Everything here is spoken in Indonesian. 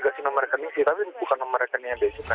aku dikasih nomor rekening sih tapi bukan nomor rekeningnya bea cukai